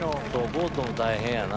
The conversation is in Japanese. ボートも大変やな。